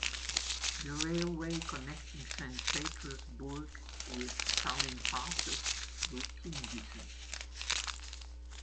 The railway connecting Saint Petersburg with Tallinn passes through Kingisepp.